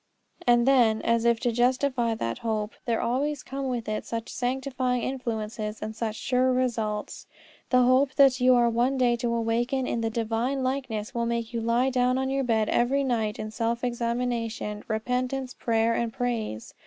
And then, as if to justify that hope, there always come with it such sanctifying influences and such sure results. The hope that you are one day to awaken in the Divine likeness will make you lie down on your bed every night in self examination, repentance, prayer, and praise.